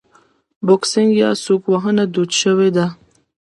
بوکسینګ یا سوک وهنه دود شوې ده.